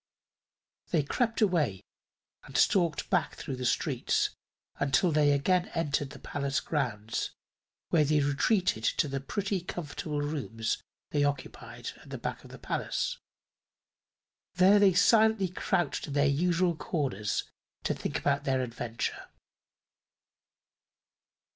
They crept away and stalked back through the streets until they again entered the palace grounds, where they retreated to the pretty, comfortable rooms they occupied at the back of the palace. There they silently crouched in their usual corners to think over their adventure.